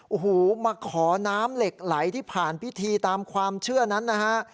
โอ้โหมาขอน้ำเหล็กไหลที่ผ่านพิธีตามความเชื่อนั้นนะฮะ